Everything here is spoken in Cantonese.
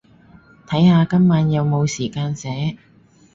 睇下今晚有冇時間寫